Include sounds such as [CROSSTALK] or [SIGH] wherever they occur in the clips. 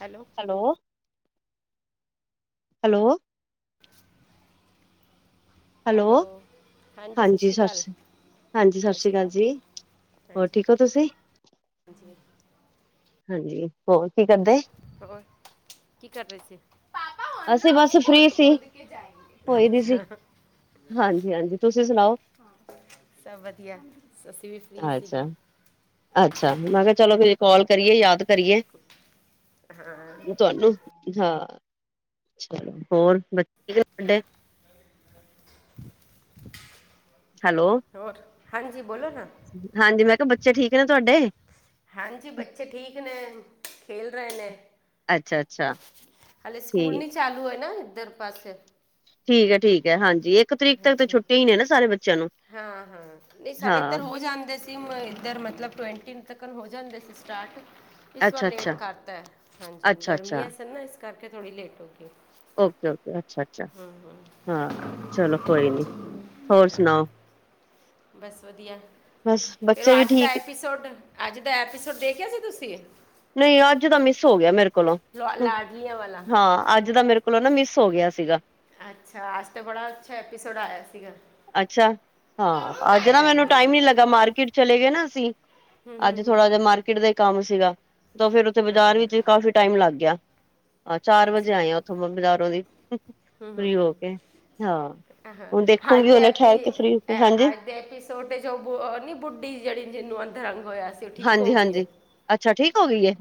Hello hello ਹੰ hello hello ਸਤਿ ਹਾਂਜੀ ਸ਼੍ਰੀ ਅਕਾਲ ਸਾਸਰੀ ਹਾਂਜੀ ਸਤਿ ਸ਼੍ਰੀ ਸਾਸ਼੍ਰੀਕਾਲ ਅਕਾਲ ਜੀ। ਹੋਰ ਠੀਕ ਓ ਤੁਸੀ? ਹਜੀ ਹਾਂਜੀ ਹੋਰ ਕੀ ਕਰਦੇ? ਹੋਰ ਕੀ ਕਰ ਰੇ ਸੀ? ਅਸੀਂ ਬਸ ਫ੍ਰੀ ਸੀ ਹੋਈ ਦੀ ਸੀ। ਅੱਛਾ ਹਾਂਜੀ, ਹਾਂਜੀ ਤੁਸੀ ਸੁਣਾਓ? ਸਭ ਵਧੀਆ ਅਸੀ ਵੀ ਫਰੀ ਅੱਛਾ, ਸੀਗੇ। ਅੱਛਾ ਮੈਂ ਕਿਆ ਚਲੋ ਫਿਰ ਕਾੱਲ ਕਰੀਏ, ਯਾਦ ਕਰੀਏ। ਹਾਂ ਭਰਜਾਈ ਨੂੰ ਹੈ। ਹੋਰ ਬੱਚੇ [UNINTELLIGIBLE] ਤੁਹਾਡੇ ਹੈਲੋ ਹੋਰ? ਹਾਂਜੀ ਬੋਲੋ ਨਾ। ਹਾਂਜੀ ਮੈਂ ਕਿਆ ਬੱਚੇ ਠੀਕ ਨੇ ਤੁਆਡੇ? ਹਾਂਜੀ, ਬੱਚੇ ਠੀਕ ਨੇ ਖੇਲ ਰਏ ਨੇ। ਅੱਛਾ, ਅੱਛਾ ਹਲੇ ਸਕੂਲ ਠੀਕ ਨੀ ਚਾਲੂ ਹੈਏ ਨਾ ਉਧਰ ਪਾਸੇ? ਠੀਕ ਐ, ਠੀਕ ਐ ਹਾਂਜੀ ਇੱਕ ਤਰੀਕ ਤੱਕ ਤੇ ਹਾਂਜੀ ਛੁੱਟੀਆਂ ਈ ਨੇ ਨਾ ਸਾਰੇ ਬੱਚਿਆਂ ਨੂੰ। ਹਾਂ, ਹਾਂ ਨਈ ਸਾਾਡੇ ਤਾਂ ਹਾਂ ਹੋ ਜਾਂਦੇ ਸੀ ਇੱਧਰ ਮਤਲਬ ਟਵਨਟੀਨ ਤਕਰ ਹੋ ਜਾਂਦੇ ਸੀ ਸਟਾਰਟ। ਇਸ ਵਾਰ ਅੱਛਾ, ਲੇਟ ਅੱਛਾ, ਕਰਤਾ ਏ ਹਾਂਜੀ ਅੱਛਾ, ਅੱਛਾ ਗਰਮੀਆਂ ਸਨ ਨਾ ਇਸ ਕਰਕੇ ਥੋੜ੍ਹੀ ਲੇਟ ਹੋ ਗਈ। ਓਕੇ ਓਕੇ, ਅੱਛਾ ਅੱਛਾ ਹਾਂ ਚਲੋ ਕੋਈ ਨੀ ਹੋਰ ਸੁਣਾਓ? ਬਸ ਵਧੀਆ ਬਸ ਫਿਰ ਬੱਚੇ ਵੀ ਅੱਜ ਦਾ ਠੀਕ ਐਪੀਸੋਡ? ਅੱਜ ਦਾ ਐਪੀਸੋਡ ਦੇਖਿਆ ਸੀ ਤੁਸੀ? ਨਈ ਅੱਜ ਦਾ ਮਿਸ ਹੋ ਗਿਆ ਮੇਰੇ ਕੋਲੋਂ ਲਾ- ਲਾਡਲੀਆਂ ਵਾਲਾ ਹਾਂ ਅੱਜ ਦਾ ਮੇਰੇ ਕੋਲ ਕੋਲੋਂ ਨਾ ਮਿਸ ਹੋ ਗਿਆ ਸੀਗਾ। ਅੱਛਾ, ਅੱਜ ਤੋਂ ਬੜਾ ਅੱਛਾ ਐਪੀਸੋਡ ਆਇਆ ਸੀਗਾ। ਅੱਛਾ, ਪਾਪਾ ਹਾਂ ਅੱਜ ਮੋਬਾਈਲ ਨਾ ਮੈਨੂੰ ਵੇਖਣ ਨਹੀਂ ਟਾਈਮ ਈ ਨੀ ਲੱਗਾ ਛੱਡ ਮਾਰਕੀਟ ਚਲੇ ਗਏ ਨਾ ਅਸੀਂ। ਹੂੰ ਹੂੰ ਅੱਜ ਹੂੰ ਥੋੜਾ ਜੇਆ ਮਾਰਕੀਟ ਦਾ ਕੰਮ ਸੀਗਾ ਤਾਂ ਫੇਰ ਉੱਥੇ ਬਾਜ਼ਾਰ ਵਿੱਚ ਈ ਕਾਫੀ ਟਾਈਮ ਲੱਗ ਗਿਆ ਹਾਂ ਚਾਰ ਵਜੇ ਅੱਛਾ ਆਏ ਆ ਉੱਥੋਂ ਮੈਂ ਬਾਜ਼ਾਰੋਂ ਦੀ। ਹੂੰ ਹੂੰ ਫਰੀ ਹੂੰ ਹੋ ਕੇ ਹਾਂ ਹੁਣ ਦੇਖੁੰਗੀ ਹੁਨੇ ਠੇਰ ਕੇ ਫਰੀ ਹੋ ਕੇ ਹਾਂਜੀ। ਏਪੀਸੋਡ ਚ ਓ ਨੀ ਬੁੱਢੀ ਜਿੜੀ ਜਿਨੂੰ ਅਧਰੰਗ ਹੋਇਆ ਸ ਹਾਂਜੀ ਹਾਂਜੀ ਅੱਛਾ ਠੀਕ ਹੋ ਗਈ ਏ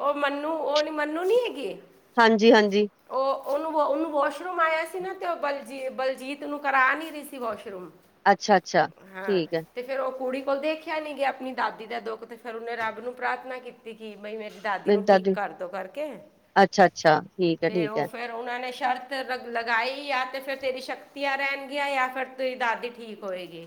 ਉਹ ਮੰਨੂੰ ਉਹ ਨੀ ਮੰਨੂੰ ਨੀ ਹੈਗੀ ਹਾਂਜੀ ਹਾਂਜੀ ਉਹ ਉਹਨੂੰ ਉਹਨੂੰ ਵਾਸ਼ਰੂਮ ਆਇਆ ਸੀ ਨਾ ਤੇ ਉਹ ਬਲ ਬਲਜੀਤ ਨੂੰ ਕਰਾ ਨਹੀ ਰਹੀ ਸੀ ਵਾਸ਼ਰੂਮ ਅੱਛਾ ਅੱਛਾ ਹਾਂ ਠੀਕ ਹੈ ਤੇ ਫੇਰ ਉਹ ਕੁੜੀ ਕੋਲ ਦੇਖਿਆ ਨਹੀਂ ਗਿਆ ਕਿ ਆਪਣੀ ਦਾਦੀ ਦਾ ਦੁੱਖ ਤੇ ਫਿਰ ਉਹਨੇ ਰੱਬ ਨੂੰ ਪ੍ਰਾਰਥਨਾ ਕੀਤੀ ਕਿ ਬਈ ਮੇਰੇ ਦਾਦੀ ਨੂੰ ਠੀਕ ਕਰਦੋ ਕਰਕੇ ਅੱਛਾ-ਅੱਛਾ, ਠੀਕ ਤੇ ਐ-ਠੀਕ ਉਹ ਐ, ਫੇਰ ਉਹਨਾਂ ਨੇ ਸ਼ਰਤ ਲਗਾਈ ਆ ਤੇ ਫੇਰ ਤੇਰੀ ਸ਼ਕਤੀਆਂ ਰਹਿਣਗੀਆਂ ਜਾਂ ਫਿਰ ਤੇਰੀ ਦਾਦੀ ਠੀਕ ਖੋਏਗੀ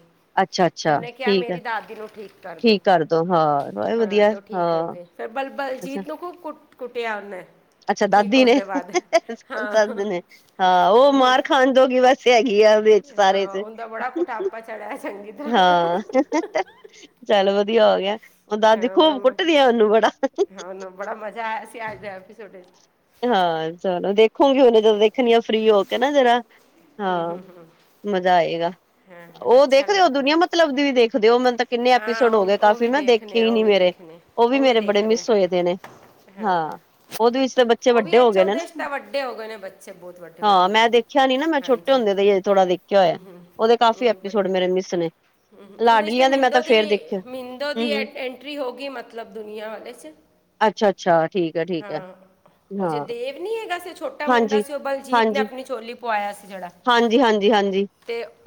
ਤੇ ਅੱਛਾ-ਅੱਛਾ, ਉਹਨੇ ਕਿਹਾ ਠੀਕ ਐ। ਮੇਰੀ ਦਾਦੀ ਨੂੰ ਠੀਕ ਕਰ ਦੋ ਕਰਦੋ ਹਾਂ ਹੋਏ ਹਾਂ ਤੇ ਉਹ ਠੀਕ ਹੋ ਗਏ ਫੇਰ ਬਲ ਅੱਛਾ, ਬਲਜੀਤ ਨੂੰ ਖੂਬ ਕੁ ਕੁੱਟਿਆ ਉਹਨੇ ਅੱਛਾ ਠੀਕ ਦਾਦੀ ਹੋਣ ਨੇ ਦੇ ਬਾਅਦ ਸਸ ਹਾਂ ਨੇ ਹਾਂ ਉਹ ਮਾਰ ਖਾਨਦੋਗੀ ਬਸ ਸਸ ਹੈਗੀ ਆ ਵਿੱਚ ਸਾਰੇ ਹਾਂ 'ਚ ਉਹਦਾ ਬੜਾ ਕੁਟਾਪਾ ਚੜਿਆ ਚੰਗੀ ਤਰ੍ਹਾਂ ਹਾਂ ਚੱਲ ਵਧੀਆ ਹੋ ਗਿਆ ਹੁਣ ਦਾਦੀ ਹਾਂ ਬੜਾ ਖੂਬ ਮ- ਕੁੱਟਦੀ ਆ ਉਹਨੂੰ ਬੜਾ ਹਾਂ ਉਹਨੂੰ ਬੜਾ ਮਜ਼ਾ ਆਇਆ ਸੀ ਅੱਜ ਦੇ ਐਪੀਸੋਡ ਵਿੱਚ ਹਾਂ ਚਲੋ ਦੇਖੋਗੀ ਉਹਨੇ ਜਦੋਂ ਦੇਖਣੀ ਆਂ ਫਰੀ ਹੋ ਕੇ ਨਾ ਜਰਾ ਹਾਂ ਮਜ਼ਾ ਆਏਗਾ ਹਾਂ ਅੱਛਾ ਲੱਗਦਾ ਮਤਲੱਬਦੀ ਵੀ ਦੇਖਦੇ ਹੋ ਮਤਨਲਬ ਕਿੰਨੇ ਹਾਂ ਐਪੀਸੋਡ ਹੋ ਗਏ, ਉਹ ਉਹ ਕਾਫੀ ਵੀ ਮੈਂ ਦੇਖੇ ਦੇਖਨੇ ਹੀ ਆ ਉਹ ਨੀ ਵੀ ਮੇਰੇ, ਦੇਖਨੇ ਓਹ ਵੀ ਉਹ ਮੇਰੇ ਬੜੇ ਦੇਖ ਰਹੇ ਮਿਸ ਹੋਏ ਦੇ ਨੇ। ਹਾਂ, ਓਹਦੇ ਵਿੱਚ ਬੱ ਬੱਚੇ ਵੱਡੇ ਹੋ ਗਏ ਨੇ ਨਾ। ਹਾਂ, ਮੈਂ ਦੇਖਿਆ ਨੀ ਨਾ ਮੈਂ ਛੋਟੇ ਹੁੰਦੇ ਦਾ ਈ ਹਜੇ ਥੋੜਾ ਦੇਖ ਕਿਆ ਏ, ਓਹਦੇ ਕਾਫੀ ਐਪੀਸੋਡ ਮੇਰੇ ਮਿਸ ਨੇ। ਹੂੰ, ਉਹਦੇ 'ਚ ਤੇ ਲਾਡਲੀਆਂ ਦੇ ਮੈਂ ਮਿੰਦੋ ਤਾਂ ਦੀ ਫੇਰ ਦੇਖਿਆ ਮਿੰਦੋ ਹੂੰ ਦੀ ਐ ਹੂੰ ਐਂਟਰੀ ਹੋ ਗਈ ਮਤਲਬ ਦੁਨੀਆ ਵਿਚ। ਅੱਛਾ ਅੱਛਾ, ਠੀਕ ਹੈ ਠੀਕ ਹੈ। ਓਹ ਜੇ ਹਾਂ ਦੇਵ ਨੀ ਹੈਗਾ ਸੀ, ਛੋਟਾ ਮੁੰਡਾ ਹਾਂਜੀ ਸੀ ਓਹ ਬਲਜੀਤ ਨੇ ਹਾਂਜੀ ਅਪਣੀ ਝੋਲੀ ਪਵਾਇਆ ਸੀ ਜੇੜਾ। ਜੀ ਹਾਂਜੀ।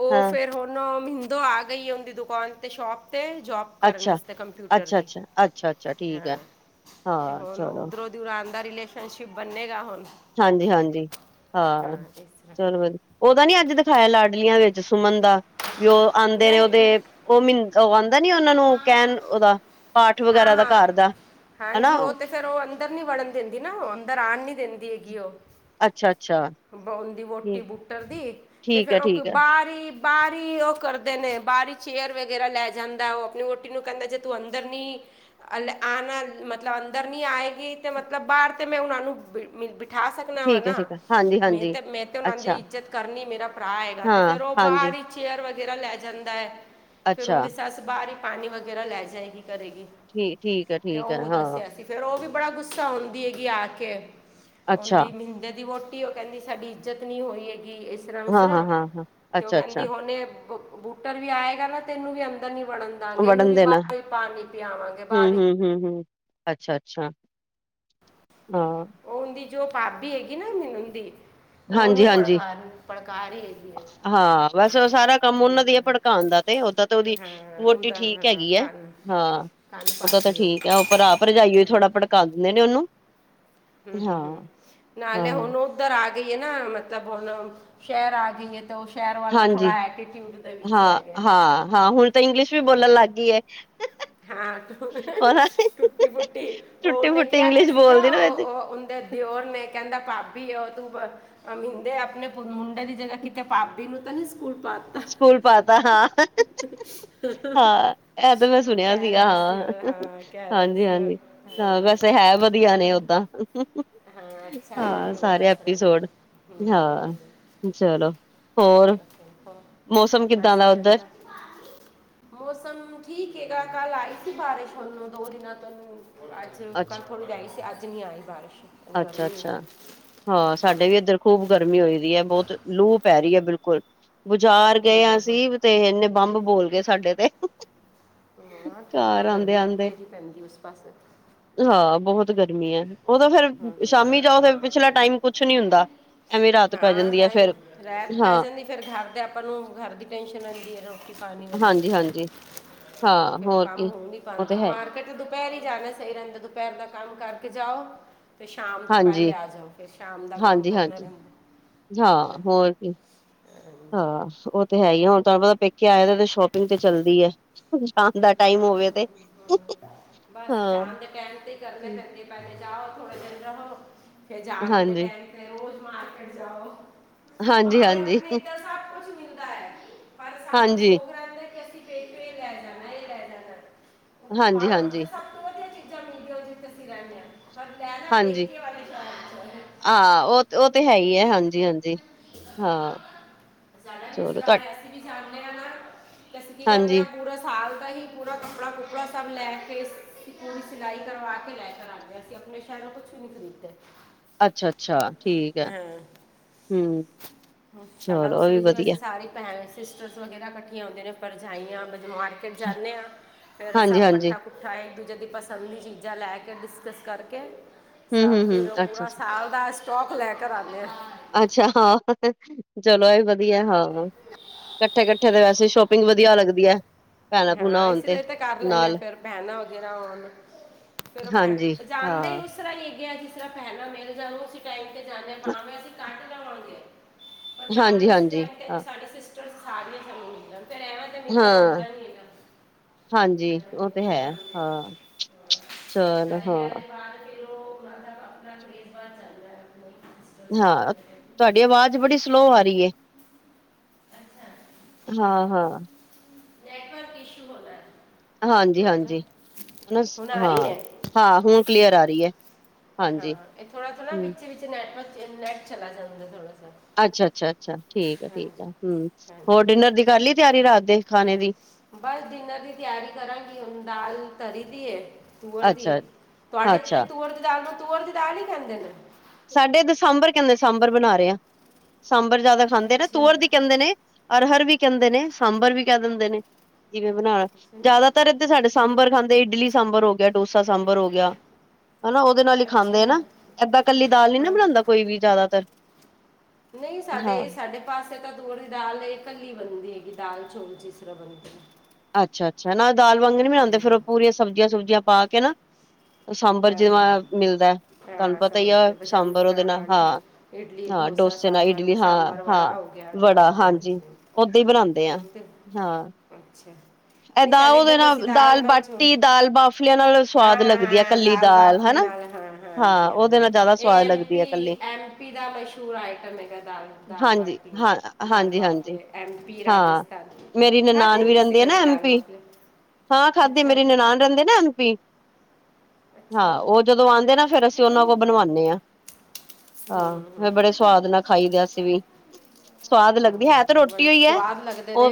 ਤੇ ਓਹ ਹਾਂ ਫਿਰ ਹੁਣ ਮਹਿੰਦੋ ਆ ਗਈ ਏ ਉਂਹਦੀ ਦੁਕਾਨ ਤੇ ਸ਼ੋਪ ਤੇ, ਜੋਬ ਕਰਨ ਅੱਛਾ ਅਸਤੇ ਕੰਪਿਊਟਰ ਅੱਛਾ ਦੀ। ਅੱਛਾ ਅੱਛਾ ਅੱਛਾ ਠੀਕ ਹਾਂ, ਹੈ ਤੇ ਹਾਂ ਹੁਣ ਓ ਚਲੋ ਓ ਦੂਰਾਨ ਦਾ ਰਿਲੇਸ਼ਨਸ਼ਿਪ ਬੰਨੇਗਾ ਹੁਣ। ਹਾਂਜੀ ਹਾਂਜੀ, ਹਾਂ ਇਸ ਚਲੋ ਤਰ੍ਹਾਂ ਵਧੀ ਓਹਦਾ ਨੀ ਅੱਜ ਦਿਖਾਇਆ ਲਾਡਲੀਆਂ ਵਿੱਚ ਸੁਮਨ ਦਾ। ਵੀ ਓਹ ਆਉੰਦੇ ਨੇ ਓਹਦੇ ਨਹੀਂ ਓਹ ਮਿੰਦ ਓਹ ਆਉਦਾ ਨੀ ਓਹਨਾ ਨੂੰ ਮੰਮਾ ਕੈਣ ਓਹਦਾ ਪਾਠ ਹਾਂ ਵਗੈਰਾ ਦਾ ਹਾਂ ਘਰ ਦਾ। ਹਨਾ ਹਾਂਜੀ, ਓਹ ਤੇ ਫਿਰ ਓਹ ਅੰਦਰ ਨੀ ਵੜਨ ਦੇੰਦੀ ਨਾ ਓਹ ਅੰਦਰ ਆਣ ਨੀ ਦਿੰਦੀ ਹੈਗੀ ਓਹ। ਅੱਛਾ ਅੱਛਾ ਬੋਣ ਦੀ ਵੋਟੀ ਠੀ ਬੁਟੱਰ ਦੀ। ਤੇ ਠੀਕ ਹੈ ਫਿਰ ਓਹ ਠੀਕ ਹੈ ਬਾਰ ਈ ਬਾਹਰ ਈ ਓਹ ਕਰ ਕਰਦੇ ਨੇ ਬਾਹਰ ਹੀ ਚੇਅਰ ਵਗੈਰਾ ਲੈ ਜਾਂਦਾ ਓਹ। ਆਪਣੀ ਵੋਟੀ ਨੂੰ ਕਹਿੰਦਾ ਜੇ ਤੂੰ ਅੰਦਰ ਨੀ ਅਲ ਆਣਾ ਮਤਲਬ ਅੰਦਰ ਨੀ ਆਏਗੀ ਤੇ ਮਤਲਬ ਬਾਹਰ ਤੇ ਮੈਂ ਉਹਨਾਂ ਨੂੰ ਬਿ ਮੀ ਬਿਠਾ ਸਕਣਾ ਵਾ ਠੀਕ ਹੈ ਨਾ। ਠੀਕ ਹੈ ਹਾਂਜੀ ਮੇ ਹਾਂਜੀ ਤੇ ਮੈਂ ਤੇ ਉਨ੍ਹਾਂ ਦੀ ਅੱਛਾ ਇੱਜ਼ਤ ਕਰਨੀ ਮੇਰਾ ਭਰਾ ਹੈਗਾ। ਤੇ ਹਾਂ ਫਿਰ ਓਹ ਹਾਂਜੀ ਬਾਹਰ ਹੀ ਚੇਅਰ ਵਗੈਰਾ ਲੈ ਜਾਂਦਾ ਐ। ਫੇਰ ਅੱਛਾ ਉੰਹਦੀ ਸੱਸ ਬਾਹਰ ਹੀ ਪਾਣੀ ਵਗੈਰਾ ਲੈ ਜਾਏਗੀ ਕਰੇਗੀ। ਠੀ ਠੀਕ ਹੈ ਤੇ ਠੀਕ ਹੈ ਓਹ ਹਾਂ ਦੱਸਿਆ ਸੀ, ਫਿਰ ਓਹ ਵੀ ਬੜਾ ਗੁੱਸਾ ਹੁੰਦੀ ਹੈਗੀ ਆ ਕੇ। ਅੱਛਾ ਓੰਹਦੀ ਮਹਿੰਦੇ ਦੀ ਵੋਟੀ ਓਹ ਕੈਂਦੀ ਸਾਡੀ ਇੱਜਤ ਨੀ ਹੋਈ ਹੈਗੀ, ਇਸ ਸਰਾ ਹਾਂ ਉਸਰਾ ਹਾਂ ਹਾਂ ਹਾਂ ਤੇ ਓ ਅੱਛਾ ਅੱਛਾ ਕੈੰਦੀ ਹੁਣ ਬ ਬੂਟਰ ਵੀ ਆਏਗਾ ਨਾ, ਤੇ ਐਨੂੰ ਵੀ ਅੰਦਰ ਨੀ ਵੜਨ ਦਾਂਗੇ, ਏਨੂੰ ਵੜਨ ਵੀ ਬਾਰੋਂ ਈ ਪਾਣੀ ਪਿਆਵਾਂਗੇ। ਬਾਰ ਈ ਹੂੰ, ਹੂੰ, ਹੂੰ। ਅੱਛਾ ਅੱਛਾ, ਅ ਓੰਦੀ ਜੋ ਭਾਬੀ ਹੈਗੀ ਨਾ, ਮੇਹੁੰਣ ਦੀ ਹਾਂਜੀ ਉਹਨੂੰ ਹਾਂਜੀ, ਪੜਕਾਰ ਪੜਕਾਰ ਹੀ ਹੈਗੀ ਹੈ ਹਾਂ ਬਸ ਓ ਸਾਰਾ ਕੰਮ ਉਹਦੇ ਉਹਨਾਂ ਦੀ ਐ ਭੜਕਾਣ ਦਾ ਤੇ, ਓਦਾਂ ਤੇ ਕੰਨ ਓਦੀ ਹਾਂ ਵੋਟੀ ਉਹਦਾ ਠੀਕ ਹਾਂ ਹੈਗੀ ਐਂ, ਕੰਨ ਹਾਂ। ਕੰਨ ਓਦਾ ਤਾਂ ਭਾਬੀ ਉਹ ਠੀਕ ਹੈ, ਓ ਭਰਾ ਭਰਜਾਈਓ ਈ ਥੋੜ੍ਹਾ ਭੜਕਾ ਦਿੰਦੇ ਨੇ ਓਨੂੰ। ਹੂੰ ਹੂੰ ਹੂੰ, ਨਾਲੇ ਹਾਂ ਹੁਣ ਓਧਰ ਆ ਗਈ ਏਨਾ, ਮਤਲਬ ਹੁਣ ਸੈ਼ਰ ਆ ਗਈ ਏ। ਤੇ ਓਹ ਸੈ਼ਰ ਵਾਲਾ, ਹਾਂਜੀ ਥੋੜ੍ਹਾ ਐਟੀਟਿਊਡ ਦੇ ਵਿੱਚ ਹਾਂ, ਹੈਗੈ। ਹਾਂ ਹਾਂ, ਹੁਣ ਤਾਂ ਇੰਗਲਿਸ਼ ਵੀ ਬੋਲਣ ਲੱਗ ਗੀ ਐ। ਹਾਂ, ਟੁੱਟੀ-ਫੁਟੀ, ਓ ਉਨੇ ਟੁੱਟੀ-ਫੁੱਟੀ ਕਿਆ ਤੇ ਇੰਗਲਿਸ਼ ਸੀਗਾ ਬੋਲਦੀ ਨਾ ਅ ਵਿੱਚ ਅ ਉੰਦੇ ਦਿਓਰ ਨੇ, ਕੈੰਦਾ ਭਾਬੀ ਓ ਤੂੰ ਬ ਮ੍ਹਿੰਦੇ ਆਪਣੇ ਪੁ ਮੁੰ ਡੇ ਦੀ ਜਗ੍ਹਾ, ਕਿਤੇ ਪਾਭੀ ਨੂੰ ਤਾਂ ਨੀ ਸਕੂਲ ਪਾਤ ਸਕੂਲ ਪਾਤਾ ਹਾਂ, ਹਾਂ। ਐ ਤੇ ਮੈ ਉਹ ਸੁਣਿਆ ਕਹਿ ਸੀਗਾ ਰਿਹਾ ਸੀ ਉਹ ਹਾਂ, ਕਹਿ ਰਿਹਾ ਹਾਂਜੀ ਸੀ ਉਹ, ਹਾਂਜੀ, ਹਾਂ ਵੈਸੇ ਹੈ ਵਧੀਆ ਨੇ ਹਾਂ ਓਦਾਂ। ਹਾਂ, ਅੱਛਾ ਹਾਂ ਉਹ ਸਾਰੇ ਦੱਸ ਰਹੇ ਨੇ ਐਪੀਸੋਡ, ਹੂੰ ਹੂੰ ਹੂੰ ਹਾਂ ਚਲੋ। ਹੋਰ? ਮੌਸਮ ਕਿੱਦਾਂ ਬਸ ਦਾ ਉੱਧਰ ਚੰਗਾ। ਮੌਸਮ ਠੀਕ ਹੇਗਾ, ਕੱਲ ਆਈ ਸੀ ਬਾਰਿਸ਼, ਹੁਣ ਨੂੰ ਦੋ ਦਿਨਾਂ ਤੋਂ ਨੂੰ ਆਈ ਤੇ ਔ ਕੱਲ ਥੋੜ੍ਹੀ ਰੈਈ ਸੀ, ਅੱਜ ਨੀ ਆਈ ਬਾਰਿਸ਼। ਹੁਣ ਅੱਛਾ ਗਰਮੀ ਹੋ ਅੱਛਾ, ਗਈ ਹਾਂ ਸਾਡੇ ਵੀ ਐਧਰ ਖੂਬ ਗਰਮੀ ਹੋਈ ਦੀ ਐ ਬੌਤ, ਲੂ ਪੈ ਰੀ ਐ ਬਿਲਕੁਲ। ਬੁਜ਼ਾਰ ਹੂੰ ਗਏ ਆਂ ਹੂੰ ਅਸੀਂ ਤੇ ਏਨੇ, ਬੰਬ ਬੋਲ ਗਏ ਸਾਡੇ ਤੇ। ਨਾ ਠੰਡ, ਘਰ ਆਂਦੇ ਗਰਮੀ ਆਂਦੇ ਪਥੇਰੀ ਪੈਂਦੀ ਉਸ ਪਾਸੇ। ਹਾਂ ਬਹੁਤ ਗਰਮੀ ਹੈ, ਉਦੋਂ ਫਿਰ ਸ਼ਾਮੀ ਜਾਓ ਫ ਪਿਛਲਾ ਟਾਈਮ ਕੁਛ ਨੀ ਹੁੰਦਾ, ਐਵੇਂ ਰਾਤ ਪੈ ਹਾਂ ਜਾਂਦੀ ਹੈ ਟਾਈਮ ਫੇਰ, ਰਾਤ ਪੈ ਹਾਂ। ਜਾਂਦੀ ਫਿਰ ਘਰ ਤਾਂ ਆਪਾਂ ਨੂੰ, ਘਰ ਦੀ ਟੈਨਸ਼ਨ ਆਉਂਦੀ ਹੈੋ। ਹਾਂਜੀ ਹਾਂਜੀ ਹਾਂ ਫੇਰ ਉਹ ਹੋਰ ਕੰਮ ਕੀ ਹੋਣ ਨੀ ਤੇ ਪੈਂਦੇ, ਉਹ ਹੈ ਮਾਰਕੀਟ ਦੁਪਹਿਰ ਹੀ ਜਾਣਾ ਸਹੀ ਰਹਿੰਦਾ, ਦੁਪਹਿਰ ਦਾ ਕੰਮ ਕਰਕੇ ਜਾਓ। ਤੇ ਸ਼ਾਮ ਤੋਂ ਹਾਂਜੀ, ਪਹਿਲੇ ਆ ਜਾਓ ਫਿਰ ਸ਼ਾਮ ਦਾ ਕੰਮ ਹਾਂਜੀ ਕਰਨਾ ਹਾਂਜੀ, ਰਹਿੰਦਾ ਹਾਂ ਹੈ ਨਾ ਹੋਰ ਵੀ ਹਾਂ ਹਾਂਜੀ ਉਹ ਤੇ ਹੈ ਹੀ ਆ, ਹੁਣ ਤੁਹਾਨੂੰ ਪਤਾ ਪੇਕੇ ਆਏ ਸ਼ੋਪਿੰਗ ਤੇ ਚੱਲਦੀ। ਸ਼ਾਮ ਦਾ ਟਾਈਮ ਹੋਵੇ ਤੇ, ਬਸ ਹਾਂ ਜਾਣ ਦੇ ਟਾਈਮ ਤੇ ਹੀ ਕਰਨੇ ਪੈਂਦੇ ਪਹਿਲੇ ਜਾਓ ਥੋੜੇ ਦਿਨ ਰਹੋ, ਫਿਰ ਜਾਨ ਦੇ ਹਾਂਜੀ ਟਾਈਮ ਤੇ ਰੋਜ਼ ਮਾਰਕੀਟ ਜਾਓ। ਹਾਂਜੀ ਭਾਵੇਂ ਹਾਂਜੀ। ਆਪਣੇ ਇੱਧਰ ਸਭ ਕੁਛ ਮਿਲਦਾ ਹੈ, ਪਰ ਹਾਂਜੀ। ਨਾਲੇ ਅਸੀਂ ਲੈ ਜਾਣਾ, ਇਹ ਲੈ ਜਾਣਾ, ਹਾਂਜੀ ਹਾਂਜੀ ਸਭ ਤੋਂ ਵਧੀਆ ਸੀਂ ਰਹਿੰਦੇ, ਹਾਂ ਪਰ ਪਹਿਲਾ ਪੇਕੇ ਵਾਲੀ ਆਹ ਉਹ, ਉਹ ਤੇ ਹੈ ਹੀ ਹੈ, ਹਾਂਜੀ ਹਾਂਜੀ। ਹਾਂ ਸਾਦਾ ਵੀ ਚਲੋ ਤੁਹਾ ਸਰਾਏ, ਅਸੀਂ ਵੀ ਜਾਣਦੇ ਹਾਂ ਨਾ। ਤੇ ਅਸੀਂ ਕੀ ਕਰਦੇ ਆਾਂ, ਹਾਂਜੀ ਪੂਰਾ ਸਾਲ ਹੀ ਪੂਰਾ ਕੱਪੜਾ ਕੁਪੜਾ ਸਭ ਲੈ ਕੇ, ਪੂਰੀ ਸਿਲਾਈ ਕਰਵਾ ਕੇ ਲੈ ਕੇ ਆਉਂਦੇ ਅਸੀਂ ਆਪਣੇ ਕਹਿੰਦੇ, ਕੁਛ ਨਹੀਂ ਖਰੀਦਦੇ। ਅੱਛਾ ਅੱਛਾ, ਠੀਕ ਹੈ। ਹੂ, ਸਾਡਾ ਉਸ ਤਰਾ ਜਿਵੇ ਵਧੀਆ ਅਸੀਂ ਸਾਰੇ ਪੈਂਣ ਸਿਸਟਰਸ ਵਗੈਰਾ ਇਕੱਠੀਆਂ ਹੁੰਦੇ ਨੇ ਪਰਜਾਈਆਂ ਮਾਰਕਿਟ ਜਾਂਦੇ ਹਾਂ, ਫਿਰ ਸਭ ਹਾਂਜੀ-ਹਾਂਜੀ ਇਕੱਠਾ ਇਕੱਠਾ, ਇੱਕ ਦੂਜੇ ਦੀ ਪਸੰਦ ਦੀ ਚੀਜ਼ਾਂ ਲੈ ਕੇ ਡਿਸਕਸ ਕਰਕੇ ਸਭ ਹੂੰ-ਹੂੰ-ਹੂੰ, ਫਿਰ ਉਹ ਪੂਰਾ ਅੱਛਾ-ਅੱਛਾ, ਸਾਲ ਦਾ ਸਟੋਕ ਲੈਕੇ ਰੱਖ ਲੈਆ। ਅੱਛਾ ਹਾਂ। ਚਲੋ ਇਹ ਵਧੀਆ ਹਾਂ। ਇਕੱਠੇ- ਕੱਠੇ ਤੇ ਵੈਸੇ ਸ਼ੌਪਿੰਗ ਮੈਨੂੰ ਵਧੀਆ ਲੱਗਦੀ ਹੈ। ਹਾਂ। ਇਸ ਲਈ ਤੇ ਕਰ ਲੈਂਣੇੇ ਹਾਂ ਫੇਰ ਭੈਣਾਂ ਵਗੈਰਾ ਹੋਣ। ਫਿਰ ਮੈਂ ਹਾਂਜੀ ਜਾਣਦੇ ਹਾਂ ਹੀ ਤਰ੍ਹਾਂਗੇ ਜਿਸ ਤਰ੍ਹਾਂ ਪਹਿਲ ਮਿਲ ਜਾਓ ਅ ਟਾਈਮ ਤੇ ਜਾਂਦੇ ਪਾ ਅਸੀਂ ਘੱਟ ਜਾਵਾਂਗੇ। ਪਰ ਜਾਂਦੇ ਹਾਂਜੀ-ਹਾਂਜੀ ਟਮ ਤੇ ਹਾਂ, ਸਾਡੇ ਸਿਸਟਰ ਸਾਰੀਆਂ ਜਾਨ ਮਿਲ ਰਹਿ ਮਿਲਣਾ ਹਾਂ ਹੁੰਦਾ ਨਹੀਂ। ਹਾਂਜੀ। ਐਵੇਂ ਉਹ ਮਿਲ ਤੇ ਨਹੀਂ ਹੈ। ਪਾਉਂਦੇ ਹਾਂ, ਚਲੋ ਹਾਂ। ਮਬਲਬ ਆਪਣਾ ਵੀਰਵਾਰ ਚੱਲ ਰਿਹਾ ਮਤਲਬ। ਹਾਂ। ਤੁਹਾਡੀ ਆਵਾਜ਼ ਬੜੀ ਸਲੋਅ ਆ ਰਹੀ ਹੈ। ਅੱਛਾ ਹਾਂ -ਹਾਂ। ਨੈਟਵਰਕ ਇਸ਼ੂ ਹੁੰਦਾ ਹੈ। ਹਾਂਜੀ -ਹਾਂਜੀ। ਹਾਂ- ਆ ਰਹੀ ਹੈ ਹਾਂ, ਹੁਣ ਕਲੀਅਰ ਆ ਰਹੀ ਹੈ। ਹਾਂ। ਇਹ ਥੋੜਾ -ਥੋੜ੍ਹਾ ਵਿੱਚ- ਵਿਚ ਨੈਟਵਰਕ ਨੈਟ ਚਲਾ ਜਾਂਦਾ ਥੋੜਾ ਜਾਂ। ਅੱਛਾ- ਅੱਛਾ- ਅੱਛਾ, ਠੀਕ ਆ, ਠੀਕ ਆ ਹੂ, ਹਾਂਜੀ ਹੋਰ ਡਿਨਰ ਦੀ ਕਰ ਲਈ ਤਿਆਰੀ ਰਾਤ ਦੇ ਖਾਣੇ ਦੀ। ਬਸ ਡਿਨਰ ਦੀ ਤਿਆਰੀ ਕਰਾਂਗੀ ਹੁਣ ਦਾਲ ਤਰੀ ਦੀ ਹੈ। ਤੁਅਰ ਦੀ ਅੱਛਾ, ਤੁਹਾਡੇ ਅੱਛਾ ਤੁਰ ਦੀ ਦਾਲ ਨੂੰ ਤੁਅਰ ਦੀ ਦਾਲ ਹੀ ਕਹਿੰਦੇ ਨੇ‌। ਸਾਡੇ ਇੱਧਰ ਸਾਂਬਰ ਕਹਿੰਦੇ ਸਾਂਬਰ ਬਣਾ ਰਹੇ ਆ। ਸਾਂਬਰ ਜਿਆਦਾ ਖਾਂਦੇ ਨਾ ਅੱਛਾ ਤੂਅਰ ਦੀ ਕਹਿੰਦੇ ਨੇ। ਅਰਹਰ ਵੀ ਕਹਿੰਦੇ ਨੇ, ਸਾਂਬਰ ਵੀ ਕਹਿ ਦਿੰਦੇ ਨੇ ਜਿਵੇਂ ਬਣਾ। ਅੱਛਾ ਨਹੀਂ ਜ਼ਿਆਦਾਤਰ ਇਧਰ ਸਾਡੇ ਹਾਂ, ਸਾਂਬਰ ਖਾਂਦੇ ਇਡਲੀ ਸਾਂਬਰ ਹੋ ਗਿਆ, ਡੋਸਾ ਸਾਂਬਰ ਹੋ ਗਿਆ। ਹਨਾ। ਉਹਦੇ ਨਾਲ ਹੀ ਅੱਛਾ ਖਾਂਦੇ ਹਨ ਨਾ। ਏਦਾਂ ਕੱਲੀ ਦਾਲ ਨੀ ਨਾ ਹਾਂ ਬਣਾਉਦਾ ਕੋਈ ਵੀ ਜ਼ਿਆਦਾਤਰ। ਨਹੀਂ ਸਾਡੇ, ਹਾਂ। ਇਹ ਸਾਡੇ ਪਾਸ ਤਾਂ ਤੁਅਰ ਦੀ ਦਾਲ ਕੱਲੀ ਬਣਦੀ ਹੈਗੀ ਦਾਲ- ਚੋਲ ਜਿਸ ਤਰਾ ਬਣਦੀ। ਅੱਛਾ- ਅੱਛਾ ਨਾ ਦਾਲ ਵਾਂਗ ਨ ਬਣਾਉਂਦੇ, ਫੇਰ ਉਹ ਹਾਂਜੀ ਪੂਰੀਆਂ ਸਬਜ਼ੀਆਂ -ਸੁਬਜੀਆਂ ਪਾ ਕੇ ਨਾ। ਸਾਂਬਰ ਜੀਵਾ ਮਿਲਦਾ। ਤੁਹਾਨੂੰ ਪਤਾ ਹੀ ਆ ਸਾਂਬਰ ਉਹਦੇ ਨਾਲ ਹਾਂ- ਹਾਂ, ਡੋਸੇ ਨਾਲ ਇਡਲੀ ਹਾਂ- ਹਾਂ। ਵੜਾ ਹਾਂਜੀ। ਜੀ ਓਦਾਂ ਹੀ ਬਣਾਉਂਦੇ ਆ ਹਮ, ਤੇ ਹਾਂ। ਅੱਛਾ। ਨਹੀਂ ਏਦਾਂ ਸਾਡੇ ਉਹਦੇ ਇੱਧਰ ਤਾਂ ਅਸੀਂ ਨਾਲ ਦਾਲ ਨਾਲ ਛੋਲ -ਬਾਟੀ, ਦਾਲ- ਬਾਫਲੀਆਂ ਨਾਲ ਹਾਂ ਸਵਾਦ ਲੱਗਦੀ ਹੈ ਹਾਂ ਕੱਲੀ। ਦਾਲ ਬਫਲੀਏ ਨਾਲ ਹਾਂ, ਹਾਂਜੀ ਹਾਂ ਉਹਦੇ -ਹਾਂਜੀ। ਨਾਲ ਜ਼ਿਆਦਾ ਇਹ ਸਵਾਦ ਐਮ ਲੱਗਦੀ ਹੈ ਕੱਲੀ ਪੀ, ਐਮ ਪੀ ਦਾ ਮਸ਼ਹੂਰ ਆਈਟਮ ਹੈਗਾ। ਦ ਦਾਲ- ਹਾਂਜੀ ਬਾਟੀ, ਹਾਂ ਦਾਲ- ਹਾਂਜੀ ਹਾਂਜੀ ਬਾਫਲੇ ਐਮ ਪੀ ਹਾਂ ਰਾਜਸਥਾਨ ਮੇਰੀ ਖਾਧੇ ਨਨਾਨ ਵੀ ਸੀ। ਰਹਿੰਦੀ ਨਾ ਐਮ ਪੀ। ਹਾਂ ਖਾਧੇ ਅੱਛਾ ਮੇਰੀ ਨਨਾਨ ਰਹਿੰਦੇ ਨਾ ਐਮ ਪੀ। ਅੱਛਾ ਹਾਂ। ਉਹ ਜਦੋਂ ਆਉਂਦੇ ਨਾ ਫੇਰ ਅਸੀਂ ਹੈਲੋ ਉਹਨਾਂ ਕੋਲ ਮੰਮਾ ਬਣਵਾਉਂਦੇ ਹਾਂ। ਹਾਂ। ਫਿਰ ਬੜੇ ਸਵਾਦ ਨਾਲ ਖਾਈ ਦੇ ਅਸੀ ਵੀ। ਸਵਾਦ ਲੱਗਦੀ ਹੈ ਹਮ, ਤੇ ਬੜੇ ਰੋਟੀਓ ਹੀ ਏ, ਸਵਾਦ ਲੱਗਦੇ ਉਹ ਨੇ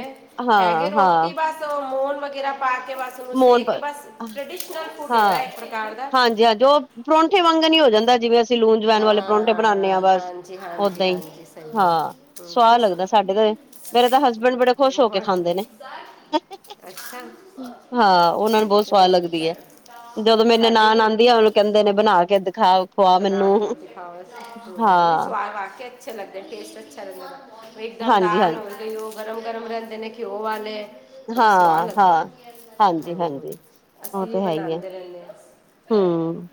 ਹੈਗੇ ਹਾਂ- ਹਾਂ। ਰੋਟੀ ਬਸ ਮੋਨ ਵਗੈਰਾ ਪਾ ਕੇ ਬਸ ਓਨੂੰ ਮੋਨ ਸੇਕ ਕੇ ਬਸ, ਟਰਡੀਸ਼ਨਲ ਫੂਡ ਇਕ ਪ੍ਰਕਾਰ ਦਾ। ਜੋ ਪਰੌਂਠੇ ਵਾਂਗ ਨੀ ਹੋ ਜਾਂਦਾ ਜਿਵੇਂ ਅਸੀਂ ਲੂਣ, ਜਵੈਣ ਵਾਲੇ ਪਰੌਂਠੇ ਬਣਾਉਦੇ ਹਾਂ ਬਸ, ਹਾਂਜੀ ਹਾਂਜੀ ਓਦਾਂ ਹੀ ਹਾਂਜੀ ਸਹੀ ਗੱਲ ਹਾਂ, ਹੈ। ਹਮ, ਸਵਾਦ ਬਸ ਲੱਗਦਾ ਸਾਡੇ ਤੇ। ਮੇਰੇ ਤਾਂ ਹਸਬੈਂਡ ਬੜੇ ਖੁਸ਼ ਹੋ ਕੇ ਖਾਂਦੇ ਬੜਾ- ਨੇ। ਅੱਛਾ। ਹਾਂ। ਉਹਨਾਂ ਨੂੰ ਬਹੁਤ ਕਹਿੰਦਾ ਸਵਾਦ ਲੱਗਦੀ ਹੈ। ਜਦੋਂ ਮੇਰੇ ਸਾਡੇ ਨਨਾਨ ਵੀ ਆਉਂਦੀ ਆ। ਕੈਂਦੇ ਨੇਂ ਬਣਾ ਕੇ ਦਿਖਾਓ ਬਣਾ ਕੇ ਦਿਖਾਓ ਹੂ ਨਈਂ ਹਾਂ ਸਵਾਦ ਵਾਕੇ ਅੱਛੇ ਲੱਗਦੇ ਟੇਸਟ ਅੱਛਾ ਲੱਗਦਾ। ਇਕ ਦਮ ਹਾਂਜੀ ਦਾਲ ਹੋ ਹਾਂਜੀ ਗਈ ਉਹ ਗਰਮ ਗਰਮ ਰਹਿੰਦੇ ਨੇ ਘਿਓ ਵਾਲੇ। ਬੜੇ ਸੁਆਦ ਹਾਂ ਲੱਗਦੇ ਹਾਂ ਨੇ ਹਾਂਜੀ ਹੂੰ ਹੂ ਹਾਂਜੀ ਅਸੀਂ ਵੀ ਬਣਾਂਦੇ ਰਹਿੰਨੇ ਆਂ। ਹੂੰ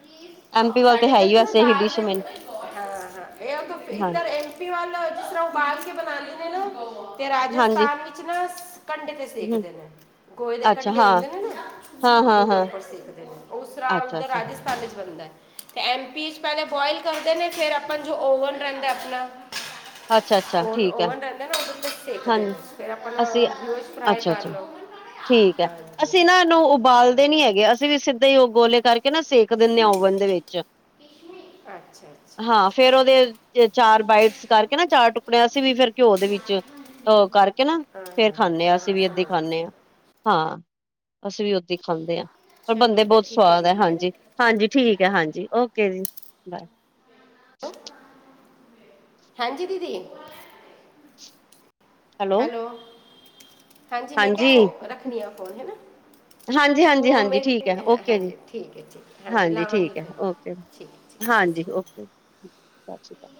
ਐਮ ਪੀ ਵੱਲ ਤਾਂ ਹੈ ਹੀ ਵੈਸੇ ਹਾਂ ਇਹੀ ਡਿਸ਼ ਮੈਨੂੰ ਹਾਂ ਇਹ ਧੁੱਪੇ ਹਾਂ ਧਰੇ ਐਮ ਪੀ ਵੱਲ ਜਿਸ ਤਰ੍ਹਾਂ ਉਬਾਲ ਕੇ ਬਣਾ ਲੈਨੇ ਨਾ ਤੇ ਹਾਂਜੀ ਰਾਜਸਥਾਨ ਵਿੱਚ ਨਾ ਕੰਢੇ ਤੇ ਹੂੰ, ਸੇਕਦੇ ਨੇ। ਗੋਹੇ ਦੇ ਅੱਛਾ ਕੰੰਢੇ ਹਾਂ, ਹੁੰਦੇ ਨੇ ਨਾ ਉਹਦੇ ਹਾਂ-ਹਾਂ-ਹਾਂ, ਉੱਪਰ ਸੇਕਦੇ ਨੇ ਉਸ ਤਰ੍ਹਾਂ ਉੱਧਰ ਅੱਛਾ-ਅੱਛਾ, ਰਾਜਸ ਥਾਨ ਵਿੱਚ ਬਣਦਾ ਏ ਤੇ ਐਮ ਪੀ ਚ ਪਹਿਲੇ ਬੋਇਲ ਕਰਦੇ ਨੇ ਫੇਰ ਓਵਨ ਰਹਿੰਦਾ ਅਪਣਾ, ਅੱਛਾ-ਅੱਛਾ ਠੀਕ ਐ। ਓਵਨ ਰਹਿੰਦੈ ਨਾ ਉਹ ਤੇ ਸੇਕ ਦੇ ਹਾਂਜੀ, ਨੇ ਫਿਰ ਆਪਨਾ ਅਸੀਂ ਉਹਦੇ ਵਿਚ ਫਰਾਈ ਕਰ ਅੱਛਾ-ਅੱਛਾ ਲਓ ਹਾਂ। ਨੂੰ ਉਬਾਲਦੇ ਨੀ ਹੈਗੇ ਅਸੀਂ ਵੀ ਸਿੱਧਾ ਹੀ ਉਹ ਗੋਲੇ ਕਰਕੇ ਨਾ ਸੇਕ ਦਿੰਨੇ ਆ ਓਵਨ ਦੇ ਵਿੱਚ ਅੱਛਾ ਅੱਛਾ ਹਾਂ ਅੱਛਾ ਫੇਰ ਉਹਦੇ ਚਾਰ ਬਾਈਟਸ ਕਰਕੇ ਨਾ ਚਾਰ ਟੁਕੜਿਆ ਅਸੀ ਵੀ ਫੇਰ ਘਿਓ ਦੇ ਵਿੱਚ ਉਹ ਕਰਕੇ ਨਾ ਹਾਂ ਫੇਰ ਹਾਂ ਖਾਂਨੇ ਆ, ਹਾਂ, ਅਸੀਂ ਹਾਂ ਵੀ ਏਦਾਂ ਈ ਸਮਝ ਗਈ ਸਮਝ ਖਾਂਨੇ ਗਈ। ਆਂ। ਅਸੀਂ ਵੀ ਓਦਾ ਹੀ ਖਾਂਦੇ ਹਾਂ ਪਰ ਚਲੋ ਬਣਦੇ ਫਿਰ ਬਹੁਤ ਠੀਕ ਹੈ ਸਵਾਦ ਐ ਦੀਦੀ ਹੈ ਹਾਂਜੀ। ਨਾ ਹਾਂਜੀ, ਠੀਕ ਹੈ ਹਾਂਜੀ, ਓਕੇ ਜੀ ਬਾਏ। ਹੈਲੋ! ਹਾਂਜੀ ਦੀਦੀ। ਹੈਲੋ ਹਾਂਜੀ ਮੈਂ ਕਿਹਾ ਹੋ ਰੱਖਣੀ ਆ ਫ਼ੋਨ ਹੈਨਾ। ਹਾਂਜੀ, ਹਾਂਜੀ, ਹਾਂਜੀ ਠੀਕ ਹੈ, ਓਕੇ ਜੀ ਹਾਂਜੀ ਠੀਕ ਹੈ ਠੀਕ ਹਾਂਜੀ ਲਾਵਾਂਗੀ ਠੀਕ ਹੈ ਫਿਰ ਓਕੇ। ਠੀਕ ਹੈ, ਠੀਕ ਸਤਿ ਹਾਂਜੀ ਸ਼੍ਰੀ ਅਕਾਲ ਓਕੇ ਸਤਿ ਸ਼੍ਰੀ ਅਕਾਲ।